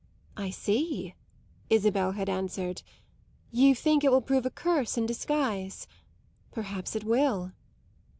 "I see," Isabel had answered. "You think it will prove a curse in disguise. Perhaps it will."